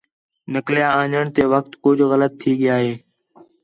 نقلیاں آنݨ تے وخت کُجھ غلط تھی ڳیا ہِے